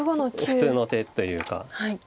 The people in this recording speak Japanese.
普通の手というか。